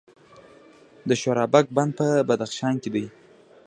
د شورابک بند په بدخشان کې دی